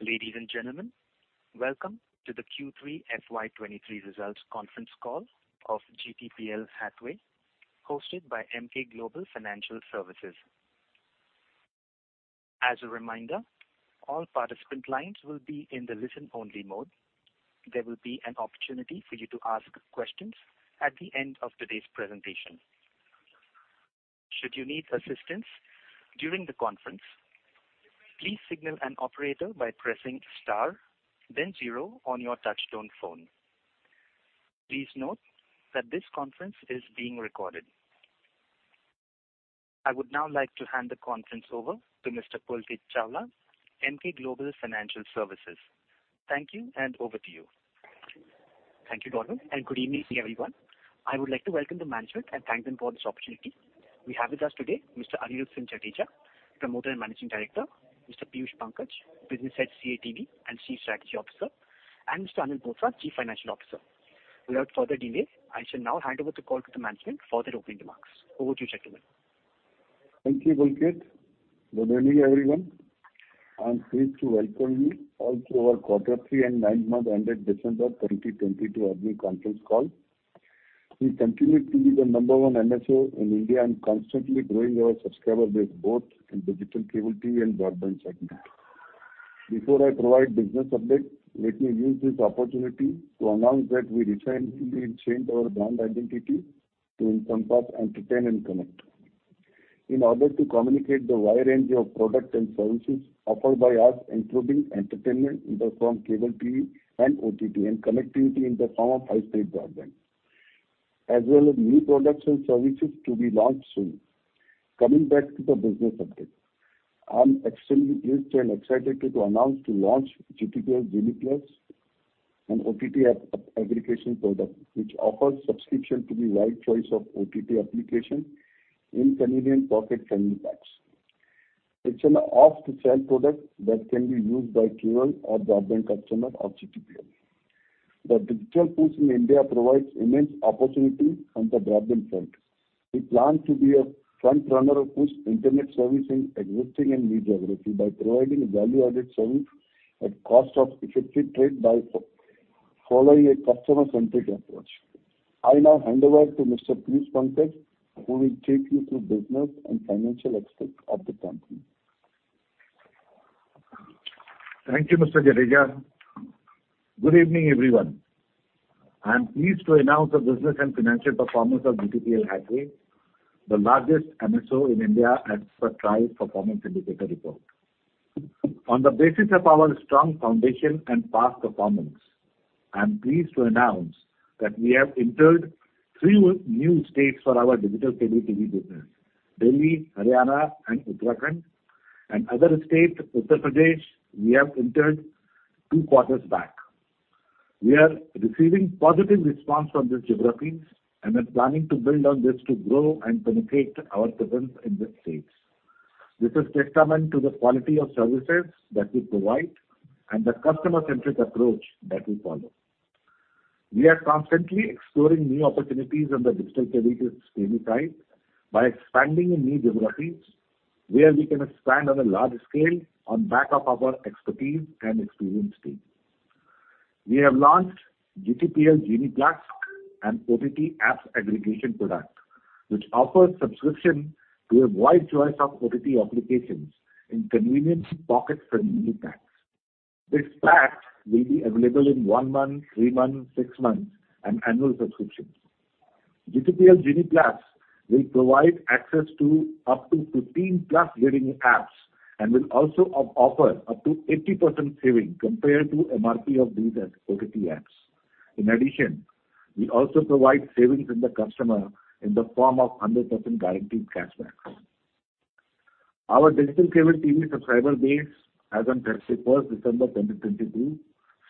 Ladies and gentlemen, welcome to the Q3 FY23 results conference call of GTPL Hathway, hosted by Emkay Global Financial Services. As a reminder, all participant lines will be in the listen-only mode. There will be an opportunity for you to ask questions at the end of today's presentation. Should you need assistance during the conference, please signal an operator by pressing Star, then zero on your touchtone phone. Please note that this conference is being recorded. I would now like to hand the conference over to Mr. Pulkit Chawla, Emkay Global Financial Services. Thank you, and over to you. Thank you, Donald, and good evening, everyone. I would like to welcome the management and thank them for this opportunity. We have with us today Mr. Anirudh Singh Jadeja, Promoter and Managing Director, Mr. Piyush Pankaj, Business Head, CATV and Chief Strategy Officer, and Mr. Anil Bothra, Chief Financial Officer. Without further delay, I shall now hand over the call to the management for their opening remarks. Over to you, gentlemen. Thank you, Pulkit. Good evening, everyone. I am pleased to welcome you all to our quarter three and nine-month ended December 2022 earnings conference call. We continue to be the number one MSO in India and constantly growing our subscriber base both in Digital Cable TV and broadband segment. Before I provide business update, let me use this opportunity to announce that we recently changed our brand identity to encompass entertain and connect. In order to communicate the wide range of products and services offered by us, including entertainment in the form of cable TV and OTT, and connectivity in the form of high-speed broadband, as well as new products and services to be launched soon. Coming back to the business update, I am extremely pleased and excited to announce to launch GTPL GINIE+, an OTT app aggregation product which offers subscription to the wide choice of OTT application in convenient pocket-friendly packs. It's an off-the-shelf product that can be used by cable or broadband customer of GTPL. The digital push in India provides immense opportunity on the broadband front. We plan to be a frontrunner who push internet service in existing and new geography by providing value-added service at cost of effective trade by following a customer-centric approach. I now hand over to Mr. Piyush Pankaj, who will take you through business and financial aspects of the company. Thank you, Mr. Jadeja. Good evening, everyone. I am pleased to announce the business and financial performance of GTPL Hathway, the largest MSO in India as per TRAI Performance Indicator Report. On the basis of our strong foundation and past performance, I am pleased to announce that we have entered three new states for our digital cable TV business, Delhi, Haryana and Uttarakhand, and other state, Uttar Pradesh, we have entered two quarters back. We are receiving positive response from these geographies and are planning to build on this to grow and penetrate our presence in these states. This is testament to the quality of services that we provide and the customer-centric approach that we follow. We are constantly exploring new opportunities in the digital cable TV space by expanding in new geographies where we can expand on a large scale on back of our expertise and experienced team. We have launched GTPL GINIE+, an OTT apps aggregation product, which offers subscription to a wide choice of OTT applications in convenient pocket-friendly packs. These packs will be available in one month, three month, six months, and annual subscriptions. GTPL GINIE+ will provide access to up to 15+ leading apps and will also offer up to 80% saving compared to MRP of these OTT apps. In addition, we also provide savings to the customer in the form of 100% guaranteed cashback. Our digital cable TV subscriber base as on December 31st 2022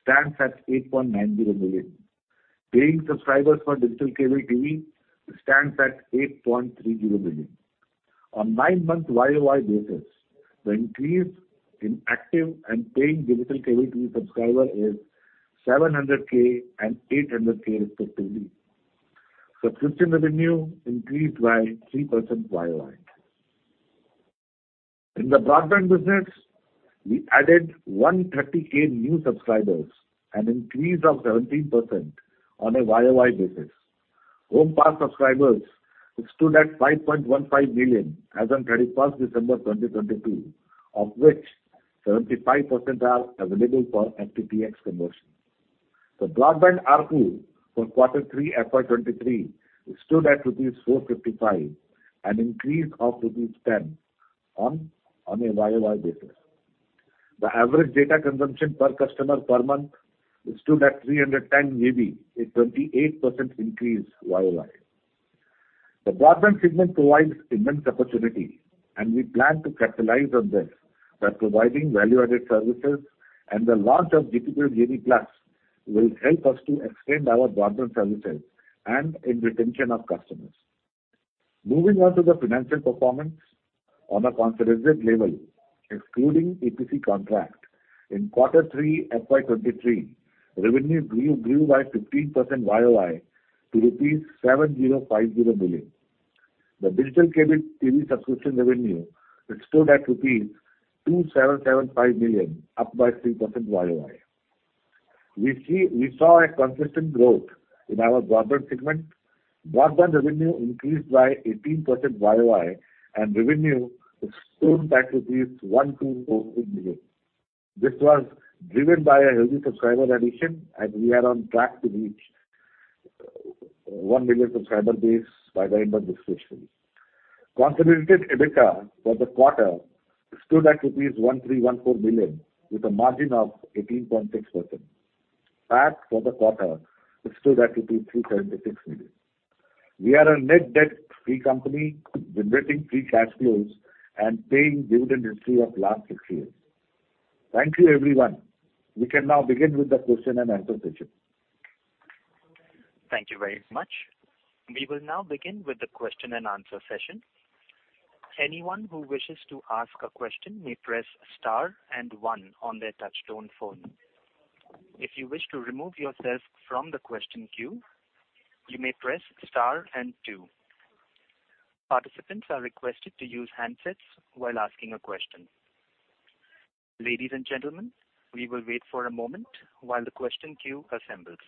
stands at 8.90 million. Paying subscribers for digital cable TV stands at 8.30 million. On nine-month YOY basis, the increase in active and paying digital cable TV subscriber is 700K and 800K respectively. Subscription revenue increased by 3% YOY. In the broadband business, we added 130K new subscribers, an increase of 17% on a YOY basis. HomePass subscribers stood at 5.15 million as on 31st December 2022, of which 75% are available for FTTH conversion. The broadband ARPU for quarter three FY23 stood at rupees 455, an increase of rupees 10 on a YOY basis. The average data consumption per customer per month stood at 310 MB, a 28% increase YOY. The broadband segment provides immense opportunity, and we plan to capitalize on this by providing value-added services, and the launch of GTPL GINIE+ will help us to extend our broadband services and in retention of customers. Moving on to the financial performance. On a consolidated level, excluding EPC contract, in Q3 FY23, revenue grew by 15% YOY to rupees 7,050 million. The Digital Cable TV subscription revenue stood at INR 2,775 million, up by 3% YOY. We saw a consistent growth in our broadband segment. Broadband revenue increased by 18% YOY, and revenue stood at 1,242 million. This was driven by a healthy subscriber addition, and we are on track to reach one million subscriber base by the end of this fiscal. Consolidated EBITDA for the quarter stood at rupees 1,314 million, with a margin of 18.6%. PAT for the quarter stood at 376 million. We are a net debt-free company generating free cash flows and paying dividend history of last six years. Thank you, everyone. We can now begin with the question and answer session. Thank you very much. We will now begin with the question and answer session. Anyone who wishes to ask a question may press star and one on their touchtone phone. If you wish to remove yourself from the question queue, you may press star and two. Participants are requested to use handsets while asking a question. Ladies and gentlemen, we will wait for a moment while the question queue assembles.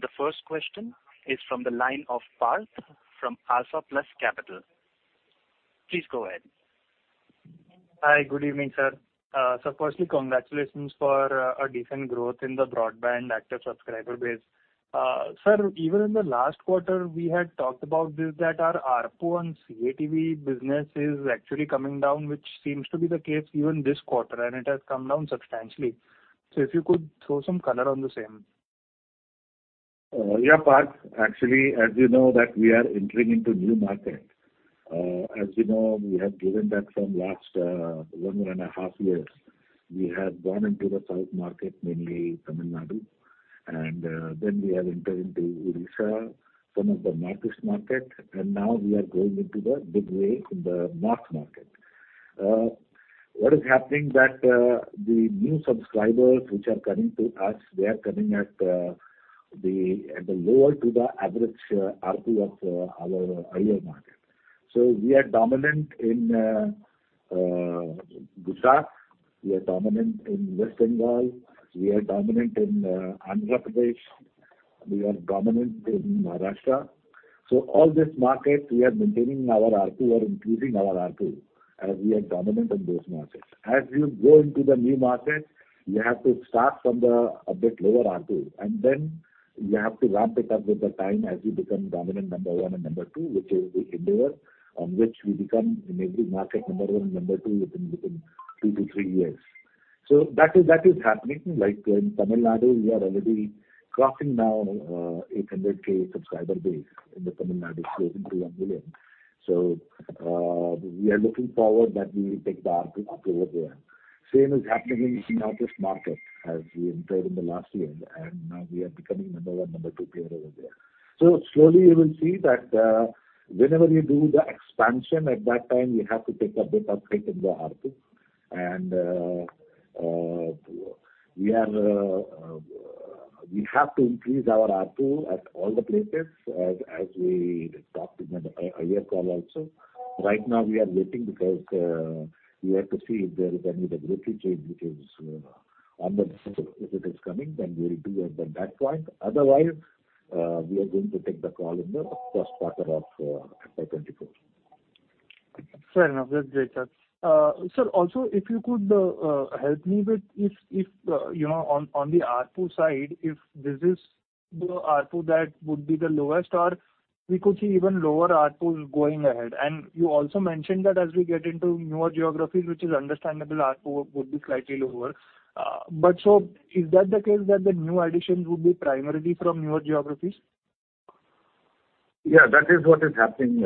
The first question is from the line of Parth from Alpha Plus Capital. Please go ahead. Hi. Good evening, sir. sir, firstly, congratulations for a decent growth in the broadband active subscriber base. sir, even in the last quarter, we had talked about this, that our ARPU on CATV business is actually coming down, which seems to be the case even this quarter, and it has come down substantially. if you could throw some color on the same. Yeah, Parth. Actually, as you know that we are entering into new market. As you know, we have given that from last one and a half years. We have gone into the South market, mainly Tamil Nadu, and then we have entered into Odisha, some of the Northeast market, and now we are going into the big way in the North market. What is happening that the new subscribers which are coming to us, they are coming at the at the lower to the average ARPU of our higher market. We are dominant in Gujarat, we are dominant in West Bengal, we are dominant in Andhra Pradesh, we are dominant in Maharashtra. All these markets, we are maintaining our ARPU or increasing our ARPU as we are dominant in those markets. As you go into the new market, you have to start from the a bit lower ARPU, and then you have to ramp it up with the time as you become dominant number one and number two, which is we endeavor, on which we become in every market number one and number two within two to three years. That is happening. Like in Tamil Nadu, we are already crossing now, 800K subscriber base in the Tamil Nadu state into one million. We are looking forward that we will take the ARPU up over there. Same is happening in the Northeast market as we entered in the last year, and now we are becoming number one, number two player over there. slowly you will see that, whenever you do the expansion, at that time you have to take a bit of hit in the ARPU. we are, we have to increase our ARPU at all the places as we talked in an earlier call also. Right now we are waiting because, we have to see if there is any regulatory change if it is coming, then we will do it at that point. Otherwise, we are going to take the call in the first quarter of FY 2024. Fair enough. That's great, sir. Sir, also, if you could help me with if, you know, on the ARPU side, if this is the ARPU that would be the lowest or we could see even lower ARPU going ahead? You also mentioned that as we get into newer geographies, which is understandable, ARPU would be slightly lower. Is that the case that the new additions would be primarily from newer geographies? That is what is happening,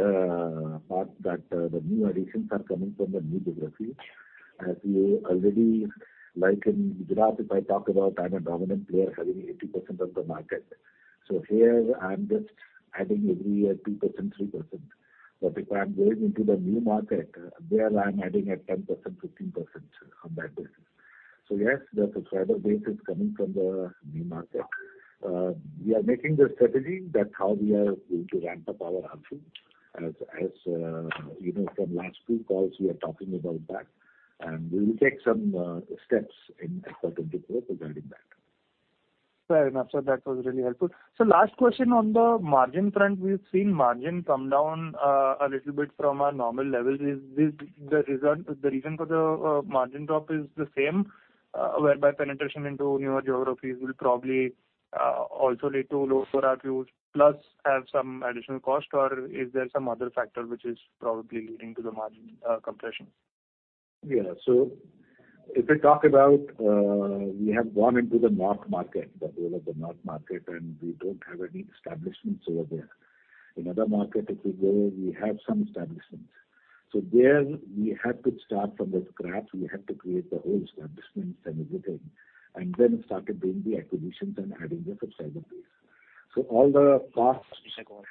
Parth, that the new additions are coming from the new geographies. Like in Gujarat, if I talk about, I'm a dominant player having 80% of the market. Here I'm just adding every year 2%, 3%. If I'm going into the new market, there I'm adding at 10%, 15% on that basis. Yes, the subscriber base is coming from the new market. We are making the strategy that how we are going to ramp up our ARPU. As, you know, from last few calls we are talking about that, and we will take some steps in FY 2024 regarding that. Fair enough, sir. That was really helpful. Last question on the margin front. We've seen margin come down a little bit from our normal levels. The reason for the margin drop is the same, whereby penetration into newer geographies will probably also lead to lower ARPUs plus have some additional cost, or is there some other factor which is probably leading to the margin compression? Yeah. If we talk about, we have gone into the North market, the whole of the North market, and we don't have any establishments over there. In other market, if we go, we have some establishments. There we had to start from the scratch. We had to create the whole establishments and everything, and then started doing the acquisitions and adding the subscriber base. All the costs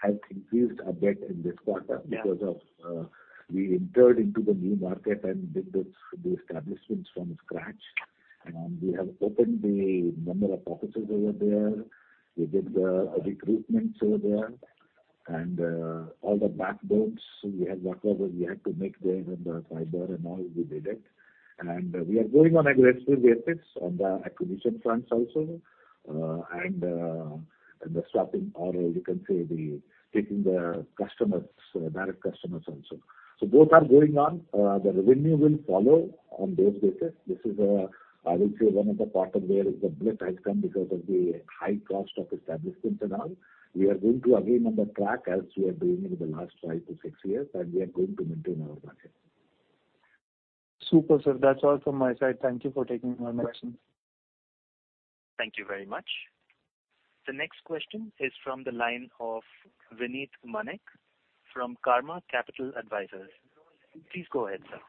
have increased a bit in this quarter. Yeah. Because of, we entered into the new market and did those, the establishments from scratch. We have opened the number of offices over there. We did the recruitments over there, and all the backbones we had whatever we had to make there in the fiber and all we did it. We are going on aggressive basis on the acquisition fronts also and the swapping or you can say the taking the customers, direct customers also. Both are going on. The revenue will follow on days basis. This is a, I will say, one of the quarter where the blitz has come because of the high cost of establishments and all. We are going to again on the track as we are doing in the last five to six years, and we are going to maintain our market. Super, sir. That's all from my side. Thank you for taking my questions. Thank you very much. The next question is from the line of Vinit Manek from Karma Capital Advisors. Please go ahead, sir.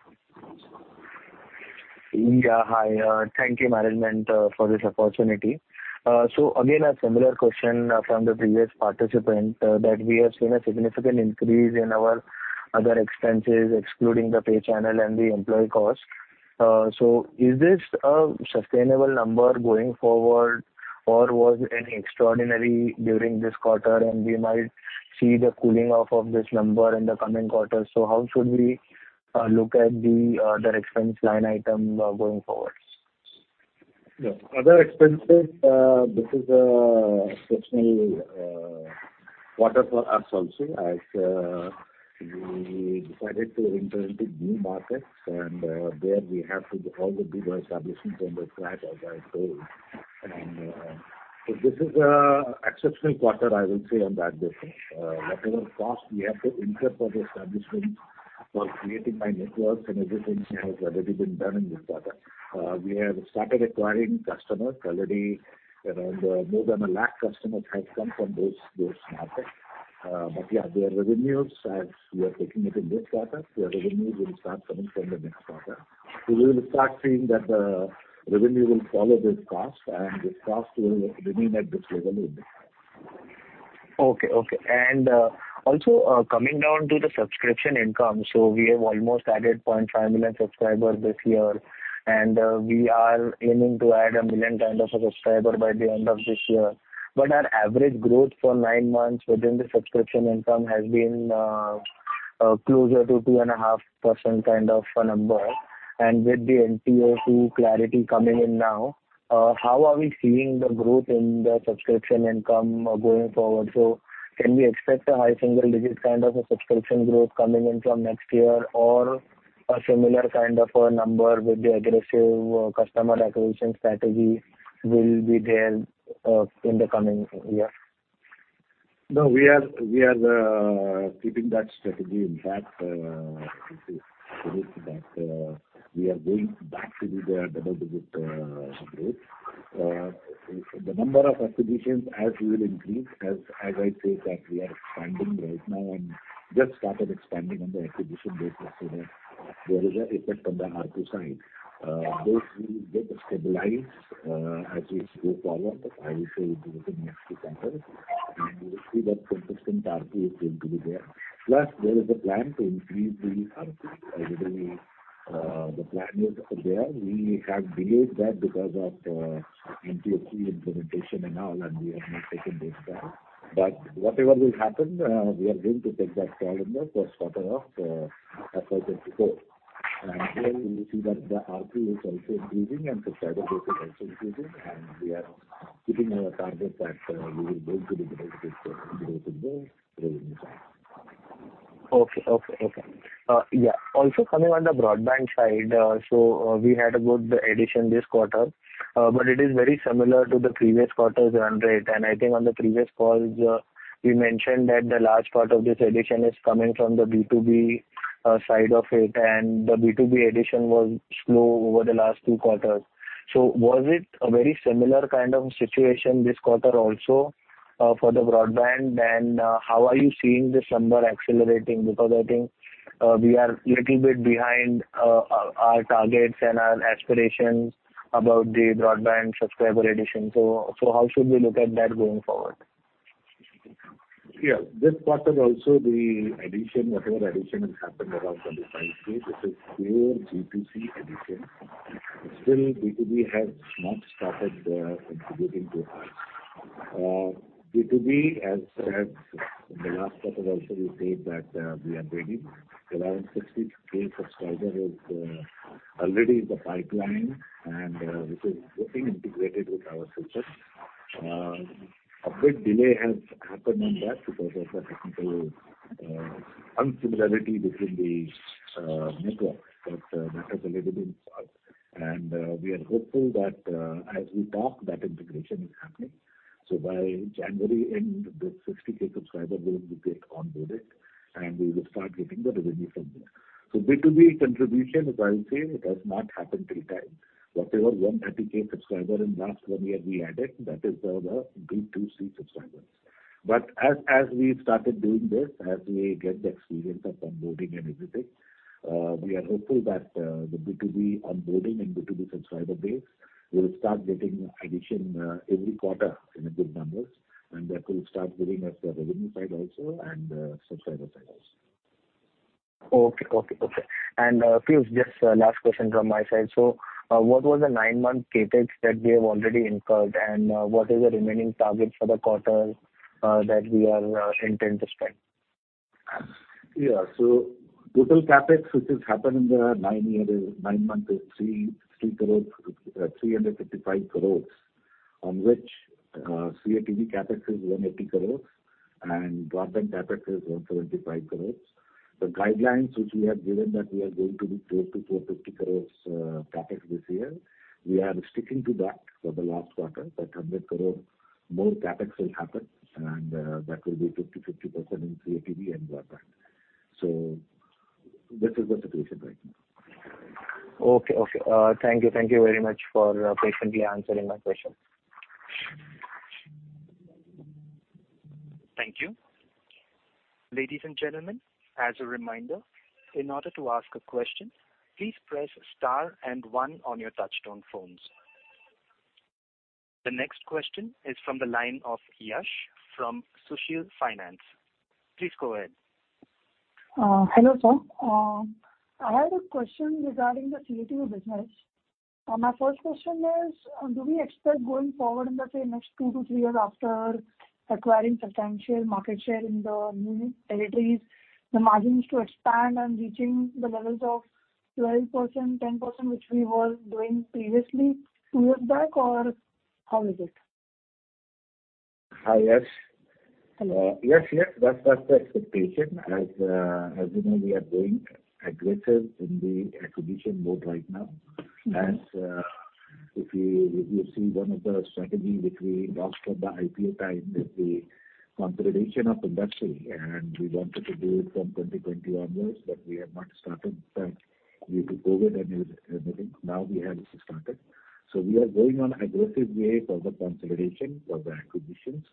Yeah, hi. Thank you, Management, for this opportunity. Again, a similar question from the previous participant, that we have seen a significant increase in our other expenses, excluding the pay channel and the employee costs. Is this a sustainable number going forward or was any extraordinary during this quarter and we might see the cooling off of this number in the coming quarters? How should we look at the other expense line item going forward? Yeah. Other expenses, this is a exceptional quarter for us also as we decided to enter into new markets and there we have to do all the big establishments from the scratch, as I told. This is a exceptional quarter, I would say, on that basis. Whatever cost we have to incur for the establishment or creating my networks and everything has already been done in this quarter. We have started acquiring customers. Already around more than 1 lakh customers have come from those markets. Yeah, their revenues, as we are taking it in this quarter, their revenues will start coming from the next quarter. We will start seeing that the revenue will follow this cost and this cost will remain at this level only. Okay. Okay. Also, coming down to the subscription income, we have almost added 0.5 million subscribers this year, we are aiming to add 1 million kind of a subscriber by the end of this year. Our average growth for nine months within the subscription income has been closer to 2.5% kind of a number. With the NTO 2.0 clarity coming in now, how are we seeing the growth in the subscription income going forward? Can we expect a high single digit kind of a subscription growth coming in from next year or a similar kind of a number with the aggressive customer acquisition strategy will be there in the coming year? We are keeping that strategy intact. This is the risk that we are going back to the double-digit growth. The number of acquisitions as we will increase, as I say that we are expanding right now and just started expanding on the acquisition basis. There is a effect on the ARPU side. Those will get stabilized as we go forward. I will say in the next few quarters, and you will see that consistent ARPU is going to be there. Plus there is a plan to increase the ARPU. Already, the plan is there. We have delayed that because of NTO 3.0 implementation and all, and we have not taken this step. Whatever will happen, we are going to take that call in the first quarter of 2024. Here you will see that the ARPU is also increasing and subscriber base is also increasing, and we are keeping our target that we will go to the double-digit growth in the revenue side. Okay. Okay. Okay. Yeah, also coming on the broadband side. We had a good addition this quarter, but it is very similar to the previous quarter's run rate. I think on the previous calls, we mentioned that the large part of this addition is coming from the B2B side of it, and the B2B addition was slow over the last two quarters. Was it a very similar kind of situation this quarter also, for the broadband? How are you seeing this number accelerating? Because I think we are little bit behind our targets and our aspirations about the broadband subscriber addition. How should we look at that going forward? Yeah. This quarter also the addition, whatever addition has happened around 25K, this is pure GTC addition. Still B2B has not started contributing to us. B2B, as said in the last quarter also, we said that we are ready. Around 60K subscriber is already in the pipeline and which is getting integrated with our system. A bit delay has happened on that because of the technical unsimilarity between the networks, but that has already been solved. We are hopeful that as we talk, that integration is happening. By January end, the 60K subscriber will get onboarded, and we will start getting the revenue from there. B2B contribution, as I will say, it has not happened till date. Whatever 130K subscriber in last one year we added, that is all the B2C subscribers. As we started doing this, as we get the experience of onboarding and everything, we are hopeful that the B2B onboarding and B2B subscriber base will start getting addition every quarter in a good numbers, and that will start giving us the revenue side also and subscriber side also. Okay. Okay. Okay. Please, just a last question from my side. What was the nine-month CapEx that we have already incurred, and what is the remaining target for the quarter that we are intent to spend? Yeah. Total CapEx, which has happened in the 9 months is 355 crores, on which CATV CapEx is 180 crores and broadband CapEx is 125 crores. The guidelines which we have given that we are going to be 1,200-1,250 crores CapEx this year, we are sticking to that for the last quarter, that 100 crore more CapEx will happen, and that will be 50/50% in CATV and broadband. This is the situation right now. Okay. Okay. Thank you. Thank you very much for patiently answering my question. Thank you. Ladies and gentlemen. As a reminder, in order to ask a question, please press star and one on your touchtone phones. The next question is from the line of Yash from Sushil Finance. Please go ahead. Hello, sir. I had a question regarding the CATV business. My first question is, do we expect going forward in the next two to three years after acquiring substantial market share in the new territories, the margins to expand and reaching the levels of 12%, 10%, which we were doing previously two years back, or how is it? Hi, Yash. Hello. yes. That's the expectation. As you know, we are going aggressive in the acquisition mode right now. Mm-hmm. As, if you see one of the strategy which we launched at the IPO time is the consolidation of the industry. We wanted to do it from 2020 onwards, but we have not started then due to COVID and everything. Now we have started. We are going on aggressive way for the consolidation, for the acquisitions.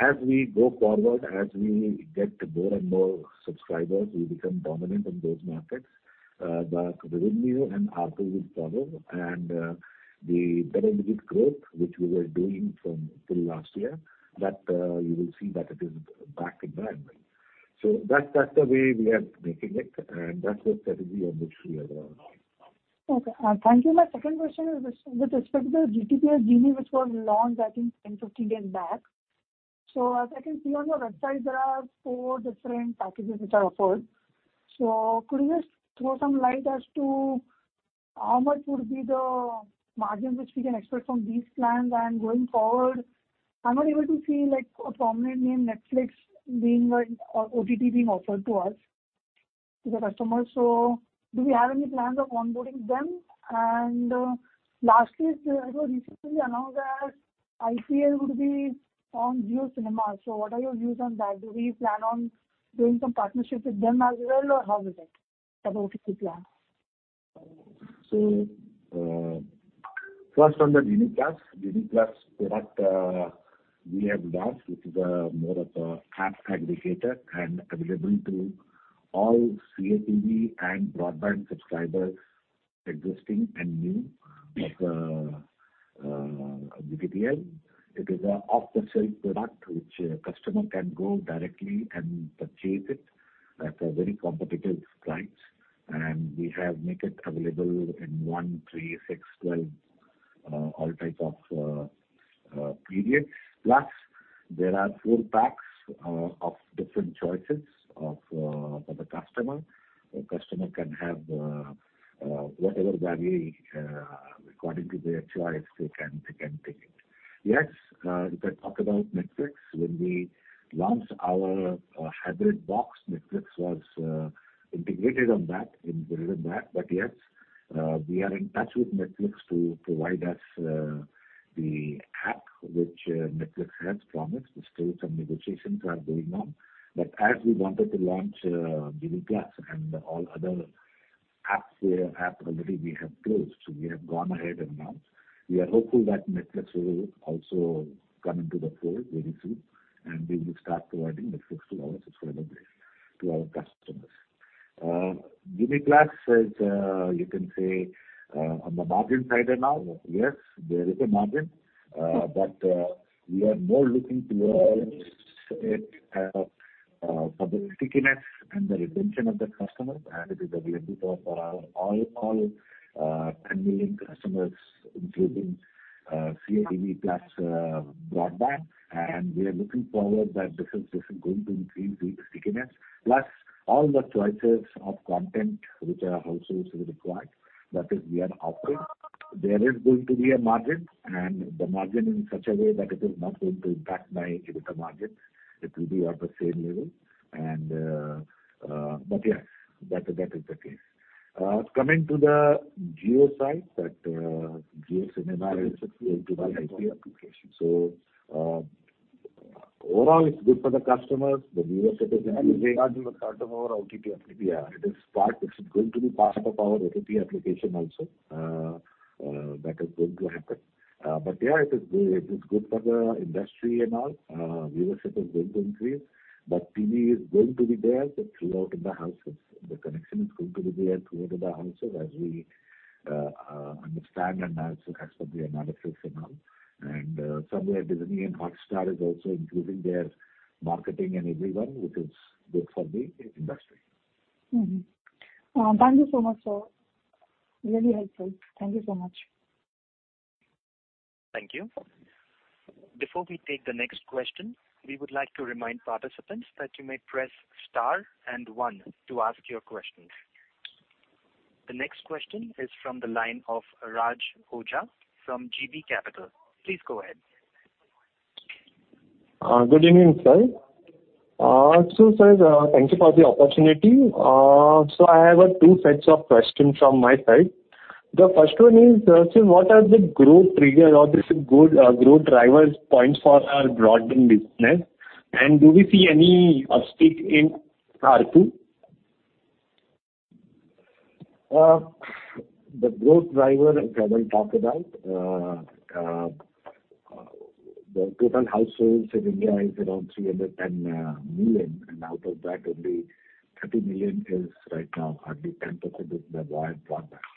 As we go forward, as we get more and more subscribers, we become dominant in those markets, the revenue and ARPU will grow and the benefit growth which we were doing from till last year, that you will see that it is back in line. That's the way we are making it, and that's the strategy on which we are going now. Okay. Thank you. My second question is this. With respect to the GTPL GINIE+ which was launched I think 10, 15 days back, as I can see on your website, there are four different packages which are offered. Could you just throw some light as to how much would be the margin which we can expect from these plans? Going forward, I'm not able to see like a prominent name, Netflix being like, OTT being offered to us, to the customers. Do we have any plans of onboarding them? Lastly, it was recently announced that IPL would be on JioCinema. What are your views on that? Do we plan on doing some partnerships with them as well, or how is it? What are OTT plans? First on the GME Plus. GME Plus product, we have launched, which is more of a app aggregator and available to all CATV and broadband subscribers, existing and new. It's GTPL. It is a off-the-shelf product which a customer can go directly and purchase it at a very competitive price. We have make it available in one, three, six, 12, all types of period. Plus there are four packs of different choices for the customer. A customer can have whatever value according to their choice, they can take it. Yes, you can talk about Netflix. When we launched our hybrid box, Netflix was integrated on that, within that. Yes, we are in touch with Netflix to provide us the app which Netflix has promised. Still some negotiations are going on. As we wanted to launch GME Plus and all other apps we have, app already we have closed, so we have gone ahead and announced. We are hopeful that Netflix will also come into the fold very soon, and we will start providing Netflix to our subscriber base, to our customers. GME Plus is, you can say, on the margin side now. Yes, there is a margin, but we are more looking towards it for the stickiness and the retention of the customers, and it is available for our all 10 million customers, including CATV plus broadband. We are looking forward that this is going to increase the stickiness. Plus all the choices of content which are also required, that is we are offering. There is going to be a margin, and the margin in such a way that it is not going to impact my EBITDA margin. It will be of the same level. Yes, that is the case. Coming to the Jio side, that JioCinema is a CATV IPO application. Overall, it's good for the customers. The viewers get a. Regarding the customer or OTT application. Yeah, it is part, it's going to be part of our OTT application also. That is going to happen. Yeah, it is good, it is good for the industry and all. Viewership is going to increase. TV is going to be there throughout in the houses. The connection is going to be there throughout in the houses as we understand and also as per the analysis and all. Somewhere Disney and Hotstar is also improving their marketing and everyone, which is good for the industry. Thank you so much, sir. Really helpful. Thank you so much. Thank you. Before we take the next question, we would like to remind participants that you may press star and one to ask your questions. The next question is from the line of Raj Ojha from GB Capital. Please go ahead. good evening, sir. Sir, thank you for the opportunity. I have, two sets of questions from my side. The first one is, sir, what are the growth triggers or the growth drivers points for our broadband business, and do we see any uptick in ARPU? The growth driver as I will talk about, the total households in India is around 310 million, out of that only 30 million is right now, hardly 10% is the wide broadband. We always call this broadband business as a nascent business right now, which has to increase rapidly. If we talk about, Eurozone, they have already crossed 60%. China is at 50%. U.S. is at 80% penetration of the wide broadband. Somewhere India will going to catch up at those levels with the time. There is a large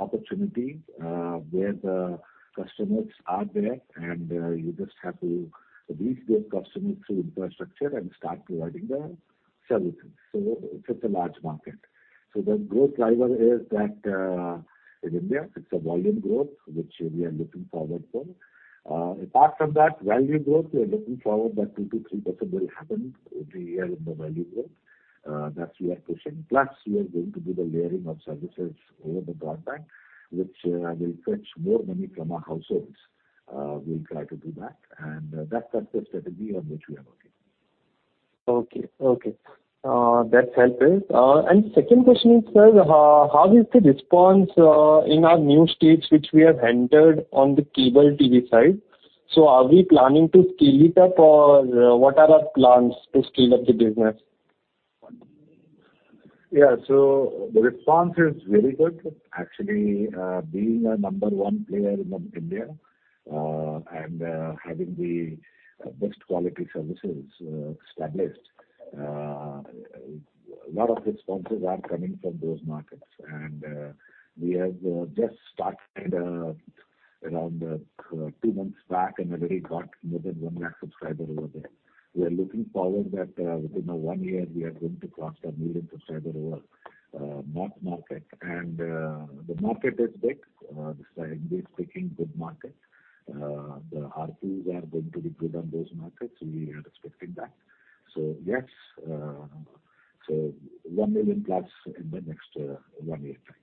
opportunity, where the customers are there, you just have to reach those customers through infrastructure and start providing the services. It is a large market. The growth driver is that, in India it's a volume growth which we are looking forward for. Apart from that volume growth, we are looking forward that 2%-3% will happen every year in the volume growth. That we are pushing. Plus, we are going to do the layering of services over the broadband, which, will fetch more money from our households. We'll try to do that. That's the strategy on which we are working. Okay. Okay. That's helpful. Second question is, sir, how is the response in our new states which we have entered on the cable TV side? Are we planning to scale it up or what are our plans to scale up the business? Yeah. The response is very good. Actually, being a number one player in India, and having the best quality services established, lot of responses are coming from those markets. We have just started around two months back and already got more than 1 lakh subscriber over there. We are looking forward that within a one year we are going to cross a million subscriber over north market. The market is big. This is a English speaking good market. The ARPUs are going to be good on those markets. We are expecting that. Yes, one million plus in the next one year time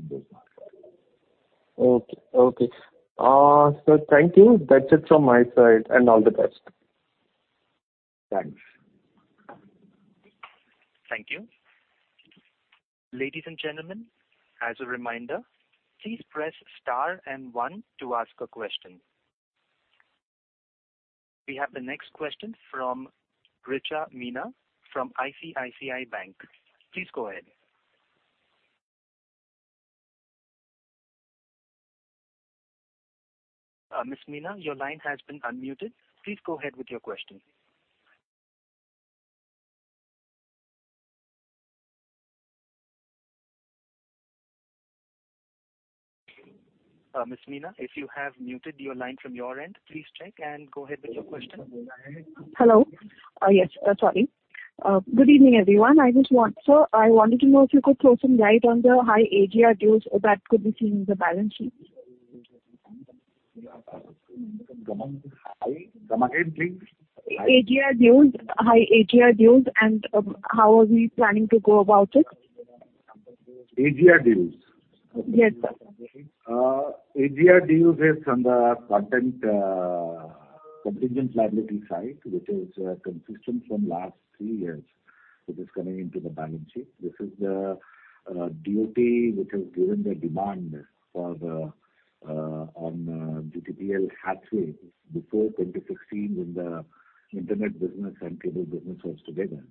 in those markets. Okay. Okay. Thank you. That's it from my side, and all the best. Thanks. Thank you. Ladies and gentlemen, as a reminder, please press star one to ask a question. We have the next question from Richa Meena from ICICI Bank. Please go ahead. Ms. Meena, your line has been unmuted. Please go ahead with your question. Ms. Meena, if you have muted your line from your end, please check and go ahead with your question. Hello. Yes. Sorry. Good evening, everyone. Sir, I wanted to know if you could throw some light on the high AGR dues that could be seen in the balance sheet. Come again, please. AGR dues. High AGR dues, how are we planning to go about it? AGR dues? Yes. AGR dues is on the contingent liability side, which is consistent from last three years. It is coming into the balance sheet. This is the DoT which has given the demand for the on GTPL Hathway before 2016 when the internet business and cable business was together.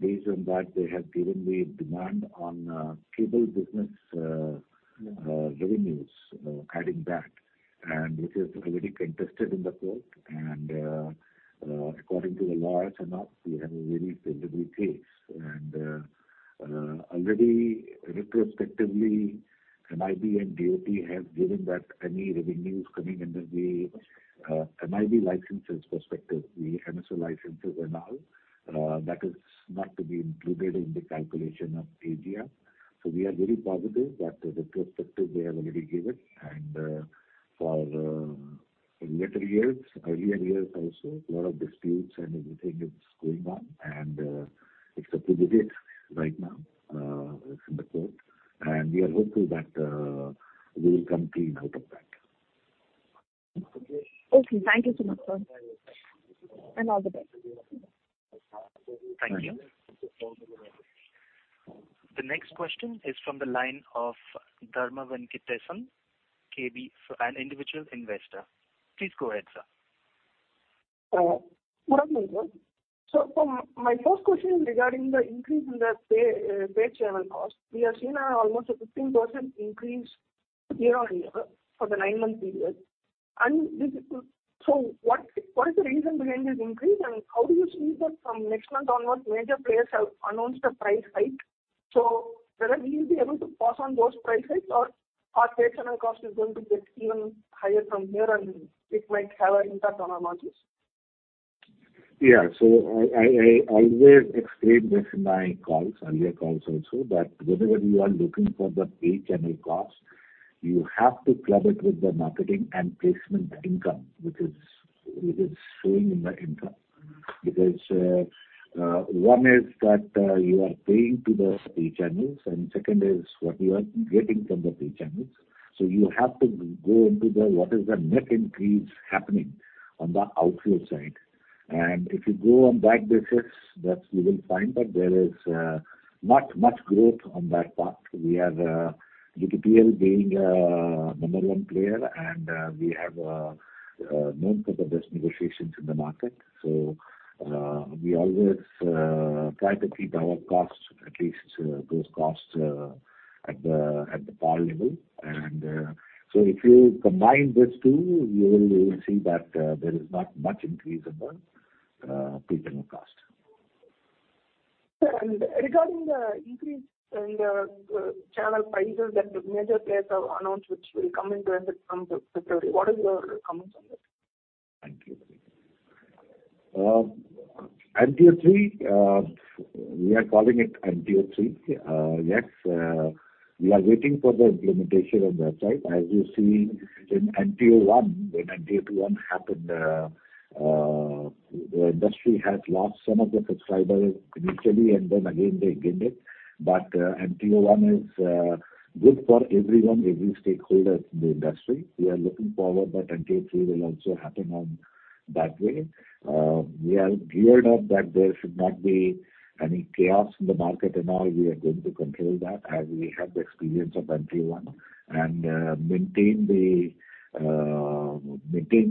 Based on that, they have given the demand on cable business revenues adding back. This is already contested in the court. According to the lawyers and all, we have a very deliverable case. Already retrospectively, MIB and DoT have given that any revenues coming under the MIB licenses perspective, the MSO licenses and all, that is not to be included in the calculation of AGR. We are very positive that retrospective they have already given. For later years, earlier years also, lot of disputes and everything is going on, and it's up to the date right now in the court. We are hopeful that we will come clean out of that. Okay. Thank you so much, sir, and all the best. Thank you. The next question is from the line of Dharma Venkiteson, KB, an individual investor. Please go ahead, sir. Good afternoon, sir. My first question is regarding the increase in the pay channel cost. We have seen almost a 15% increase year-on-year for the nine-month period. What is the reason behind this increase, and how do you see that from next month onwards major players have announced a price hike? Whether we will be able to pass on those price hikes or our pay channel cost is going to get even higher from here and it might have an impact on our margins. Yeah. I always explain this in my calls, earlier calls also, that whenever you are looking for the pay channel cost, you have to club it with the marketing and placement income, which is showing in the income. One is that you are paying to the pay channels, and second is what you are getting from the pay channels. You have to go into the what is the net increase happening on the outflow side. If you go on that basis, that you will find that there is much growth on that part. We are GTPL being a number one player and we have known for the best negotiations in the market. We always, try to keep our costs, at least, those costs, at the par level. If you combine these two, you will see that, there is not much increase in the, pay channel cost. Sir, regarding the increase in the channel prices that the major players have announced, which will come into effect from February, what is your comment on that? Thank you. NTO 3.0, we are calling it NTO 3.0. Yes, we are waiting for the implementation on that side. As you see in NTO 1.0, when NTO 1.0 happened, the industry had lost some of the subscribers initially, and then again they gained it. NTO 1.0 is good for everyone, every stakeholder in the industry. We are looking forward that NTO 3.0 will also happen on that way. We are geared up that there should not be any chaos in the market and all. We are going to control that as we have the experience of NTO 1.0 and maintain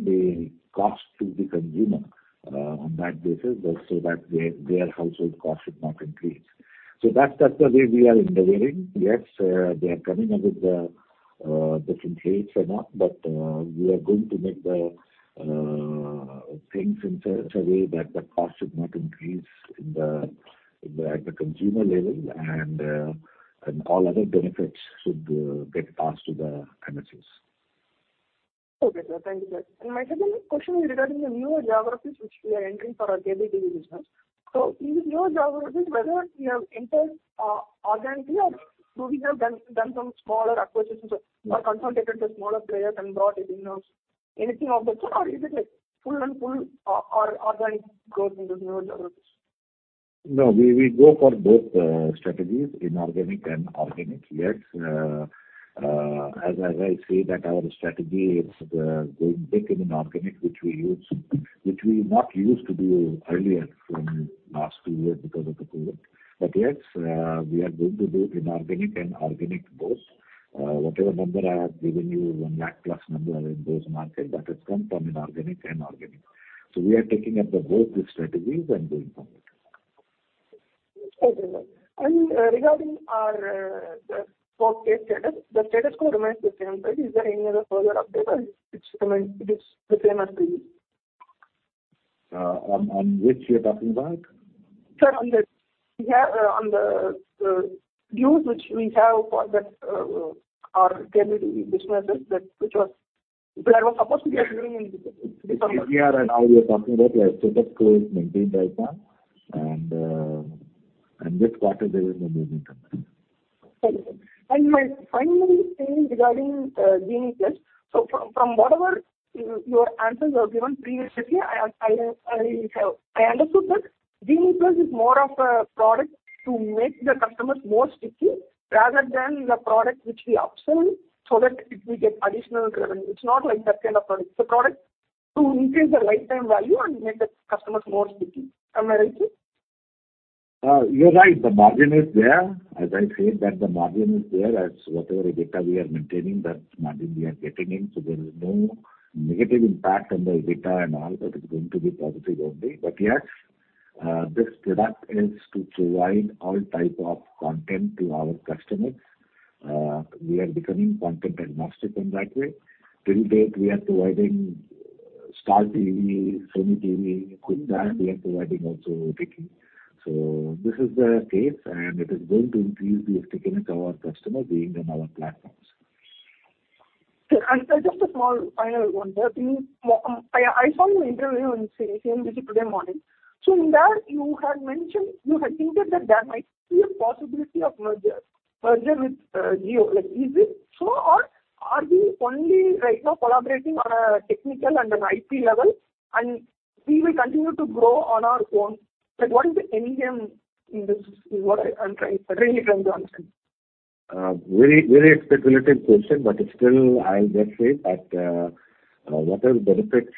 the cost to the consumer on that basis also that their household cost should not increase. That's, that's the way we are endeavoring. Yes, they are coming up with the different rates or not, but we are going to make the things in such a way that the cost should not increase at the consumer level and all other benefits should get passed to the MSOs. Okay, sir. Thank you, sir. My second question is regarding the newer geographies which we are entering for our B2B business. In these newer geographies, whether we have entered organically or do we have done some smaller acquisitions or consolidated the smaller players and brought it in house, anything of that sort, or is it a full and full organic growth in these newer geographies? We go for both strategies, inorganic and organic. As I say that our strategy is going big in inorganic, which we use, which we not used to do earlier from last two years because of the COVID. We are going to do inorganic and organic both. Whatever number I have given you, 1 lakh plus number in those market, that has come from inorganic and organic. We are taking up the both the strategies and going from it. Okay, sir. Regarding our the 4K status, the status quo remains the same, right? Is there any other further update or it is the same as previous? On which you're talking about? Sir, on the, we have, on the views which we have for that, our B2B businesses that was supposed to be happening in December. ETR and all you're talking about, our status quo is maintained right now. This quarter there is no movement on that. Thank you, sir. My final thing regarding GENIE++. From whatever your answers you have given previously, I understood that GENIE+ Plus is more of a product to make the customers more sticky rather than the product which we upsell so that it will get additional revenue. It's not like that kind of product. It's a product to increase the lifetime value and make the customers more sticky. Am I right here? You're right. The margin is there. As I said that the margin is there. As whatever EBITDA we are maintaining, that margin we are getting in, so there is no negative impact on the EBITDA and all. That is going to be positive only. Yes, this product is to provide all type of content to our customers. We are becoming content agnostic in that way. Till date we are providing Star TV, Sony TV, Quick Die, we are providing also Viki. This is the case, and it is going to increase the stickiness of our customers being on our platforms. Sir, and just a small final one, sir. I saw your interview on CNBC today morning. In that you had mentioned you had hinted that there might be a possibility of merger with Jio. Like is it so or are we only right now collaborating on a technical and an IP level and we will continue to grow on our own? Like what is the end game in this? Is what I am trying, really trying to understand. Very, very speculative question, but still I'll just say that, whatever benefits,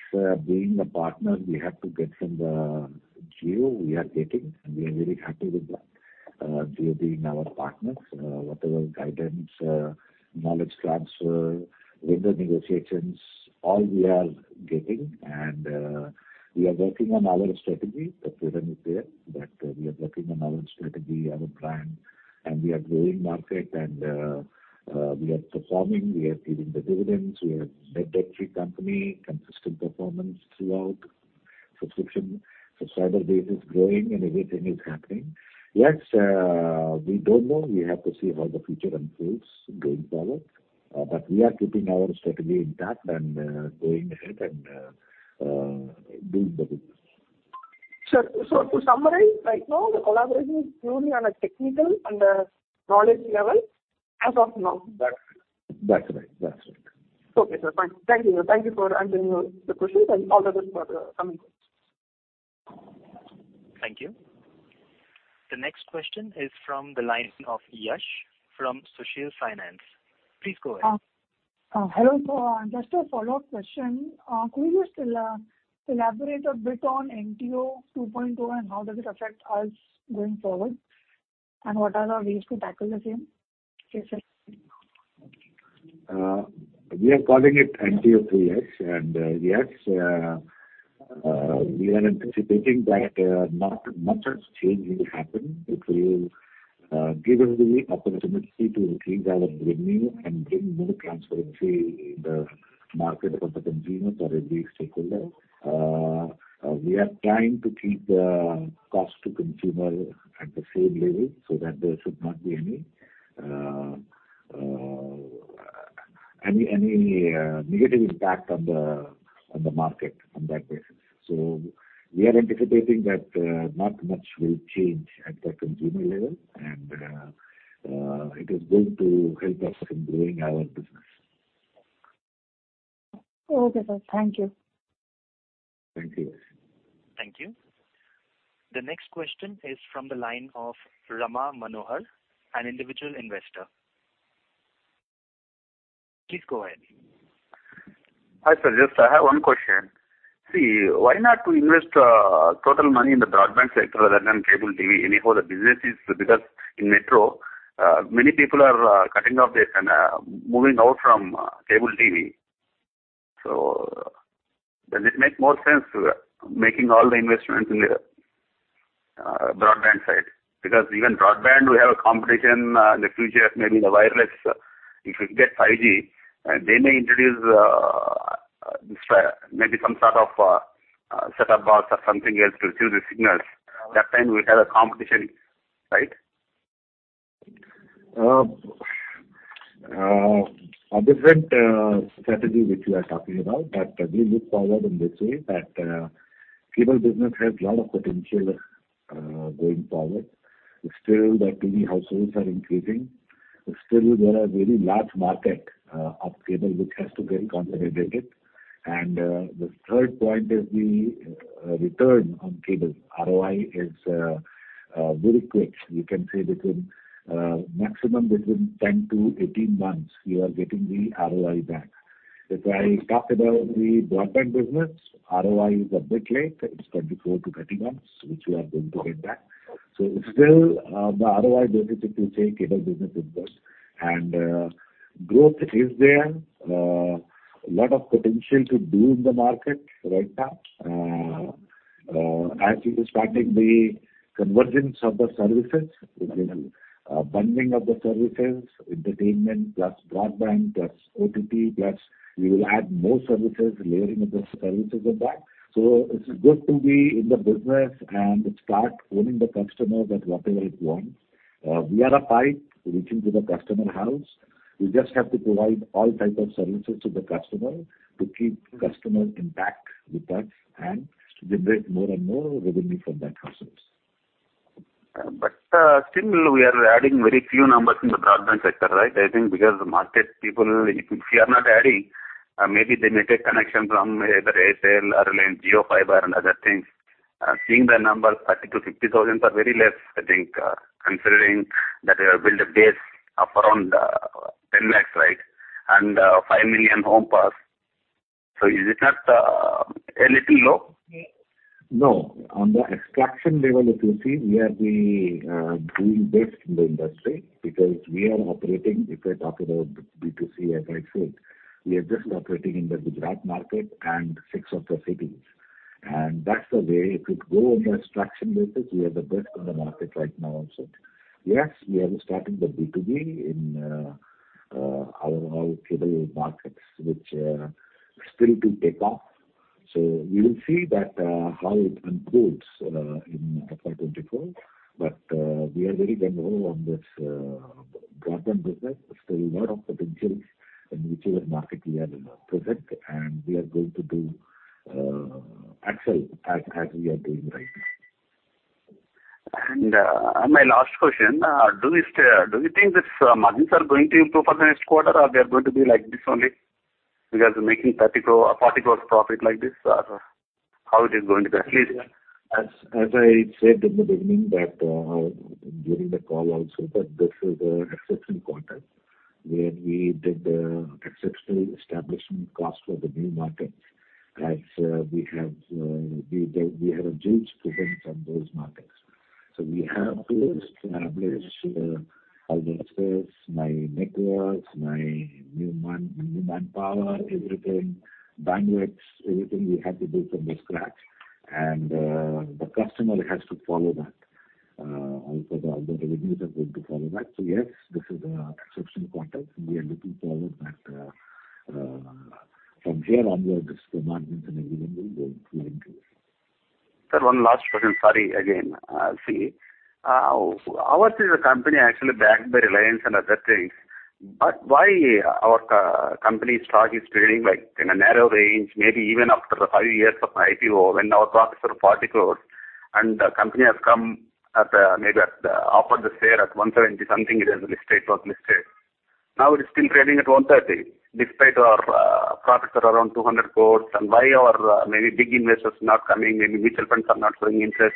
being a partner we have to get from the Jio we are getting, and we are very happy with that, Jio being our partners. Whatever guidance, knowledge transfer, vendor negotiations, all we are getting. We are working on our strategy. The plan is there, but we are working on our strategy, our plan, and we are growing market and, we are performing, we are giving the dividends, we are debt-free company, consistent performance throughout. subscriber base is growing and everything is happening. Yes, we don't know. We have to see how the future unfolds going forward. But we are keeping our strategy intact and, going ahead and, doing the business. Sir, to summarize, right now the collaboration is purely on a technical and knowledge level as of now? That's right. That's right. Okay, sir. Fine. Thank you. Thank you for answering the questions, and all the best for the coming years. Thank you. The next question is from the line of Yash from Sushil Finance. Please go ahead. Hello. Just a follow-up question. Could you just elaborate a bit on NTO 2.0 and how does it affect us going forward? What are our ways to tackle the same? We are calling it NTO 3.0. Yes, we are anticipating that not much of change will happen. It will give us the opportunity to increase our revenue and bring more transparency in the market of the consumers or any stakeholder. We are trying to keep the cost to consumer at the same level, so that there should not be any negative impact on the market on that basis. We are anticipating that not much will change at the consumer level and it is going to help us in growing our business. Okay, sir. Thank you. Thank you. Thank you. The next question is from the line of Rama Manohar, an individual investor. Please go ahead. Hi, sir. Just I have one question. Why not to invest total money in the broadband sector rather than cable TV? In metro, many people are cutting off this and moving out from cable TV. Does it make more sense making all the investments in the broadband side? Even broadband, we have a competition in the future, maybe the wireless, if we get 5G, they may introduce maybe some sort of set-top box or something else to receive the signals. That time we have a competition, right? A different strategy which you are talking about. We look forward in this way that cable business has a lot of potential going forward. Still the TV households are increasing. Still there are very large market of cable which has to get consolidated. The third point is the return on cable. ROI is very quick. You can say between maximum between 10-18 months you are getting the ROI back. If I talk about the broadband business, ROI is a bit late. It's 24-30 months which you are going to get back. Still, the ROI basically say cable business is best. Growth is there, lot of potential to do in the market right now. As we were starting the convergence of the services, bundling of the services, entertainment plus broadband plus OTT plus we will add more services, layering of the services on that. It's good to be in the business and start winning the customer that whatever it wants. We are a pipe reaching to the customer house. We just have to provide all type of services to the customer to keep customer intact with us and generate more and more revenue from that households. Still we are adding very few numbers in the broadband sector, right? I think because the market people, if you are not adding, maybe they may take connection from either Airtel or JioFiber and other things. Seeing the numbers 30,000-50,000 are very less, I think, considering that we have built a base of around 10 lakhs, right? 5 million HomePass. Is it not a little low? No. On the extraction level, if you see, we are the doing best in the industry because we are operating, if I talk about B2C, as I said, we are just operating in the Gujarat market and 6 of the cities. That's the way. If you go on the extraction basis, we are the best in the market right now also. Yes, we are starting the B2B in our cable markets which still to take off. We will see that how it improves in the fiscal 2024. We are very vulnerable on this broadband business. There's still a lot of potentials in whichever market we are present, and we are going to do excel as we are doing right now. My last question. Do you think this margins are going to improve for the next quarter, or they are going to be like this only? Making INR 30 crore-INR 40 crore profit like this, how it is going to be? As I said in the beginning that during the call also that this is a exceptional quarter where we did the exceptional establishment cost for the new markets as we have a huge presence on those markets. We have to establish our offices, my networks, new manpower, everything, bandwidths, everything we have to do from the scratch. The customer has to follow that. All the revenues are going to follow that. Yes, this is a exceptional quarter. We are looking forward that from here onwards this will not be an issue anymore. Sir, one last question. Sorry again. See, ours is a company actually backed by Reliance and other things, but why our company stock is trading like in a narrow range, maybe even after five years of an IPO when our profits were 40 crores and the company has come at, maybe at the upper this year at 170 something it has listed, it was listed. Now it is still trading at 130 despite our profits are around 200 crores. Why our maybe big investors not coming, maybe mutual funds are not showing interest.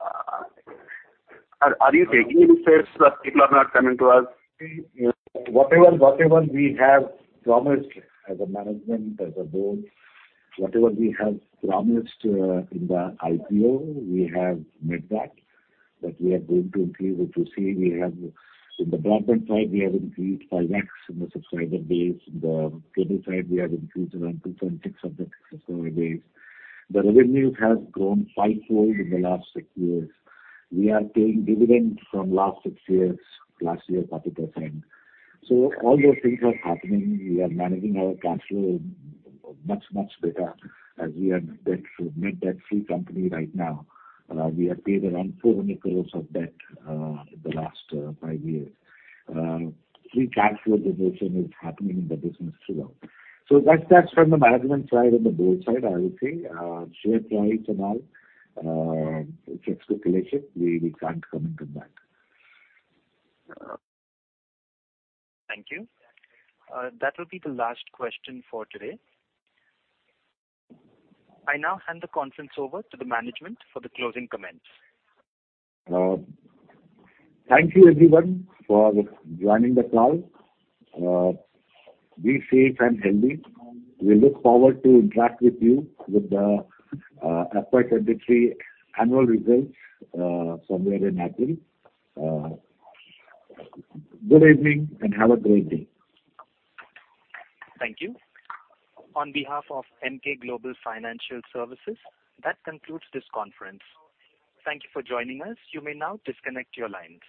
Are you taking this serious that people are not coming to us? Whatever we have promised as a management, as a board, whatever we have promised, in the IPO, we have made that we are going to increase. If you see In the broadband side, we have increased five times in the subscriber base. In the cable side, we have increased around 2.6 of the subscriber base. The revenues have grown fivefold in the last six years. We are paying dividends from last six years. Last year, 30%. All those things are happening. We are managing our cash flow much, much better as we are net debt free company right now. We have paid around 400 crores of debt, in the last, five years. Free cash flow generation is happening in the business too. That's from the management side and the board side, I would say. Share price and all, it's speculation. We can't comment on that. Thank you. That will be the last question for today. I now hand the conference over to the management for the closing comments. Thank you everyone for joining the call. Be safe and healthy. We look forward to interact with you with the Aircel-Bertel annual results somewhere in April. Good evening and have a great day. Thank you. On behalf of Emkay Global Financial Services, that concludes this conference. Thank you for joining us. You may now disconnect your lines.